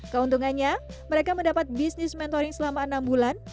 keuntungannya mereka mendapat bisnis mentoring selama enam bulan